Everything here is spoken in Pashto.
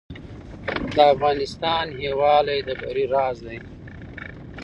د افغانستان یووالی د بری راز دی